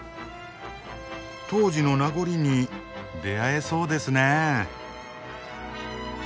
当時の名残に出会えそうですねえ。